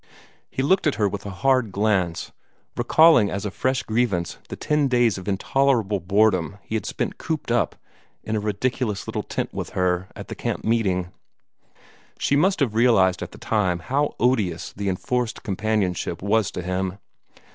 He looked at her with a hard glance, recalling as a fresh grievance the ten days of intolerable boredom he had spent cooped up in a ridiculous little tent with her, at the camp meeting. She must have realized at the time how odious the enforced companionship was to him.